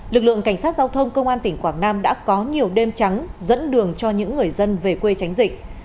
lực lượng cảnh sát giao thông công an tỉnh quảng nam đã có nhiều đêm trắng dẫn đường cho những người dân về quê tránh dịch